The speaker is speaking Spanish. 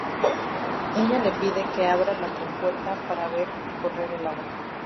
Ella le pide que abra la compuerta para ver correr el agua.